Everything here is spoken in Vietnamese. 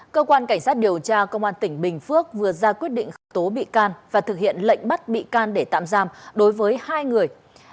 cơ quan cảnh sát điều tra công an tỉnh bình phước vừa ra quyết định khởi tố bị can và thực hiện lệnh bắt bị can để tạm giam đối với hai người